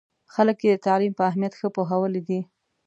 خلک یې د تعلیم په اهمیت ښه پوهولي دي.